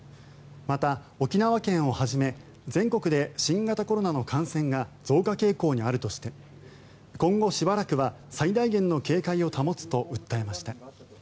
また、沖縄県をはじめ全国で新型コロナの感染が増加傾向にあるとして今後しばらくは最大限の警戒を保つと訴えました。